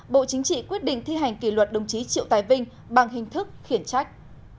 bộ chính trị quyết định thi hành kỷ luật đồng chí triệu tài vinh bằng hình thức khiển trách